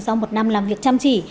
sau một năm làm việc chăm chỉ